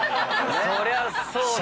そりゃそうだよね。